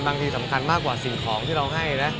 ที่สำคัญมากกว่าสิ่งของที่เราให้นะ